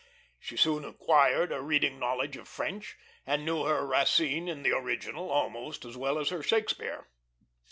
She soon acquired a reading knowledge of French, and knew her Racine in the original almost as well as her Shakespeare.